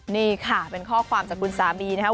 นี่ค่ะเป็นข้อความจากคุณสามีนะครับ